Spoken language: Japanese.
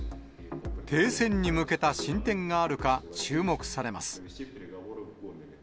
停戦に向けた進展があるか、注目されます。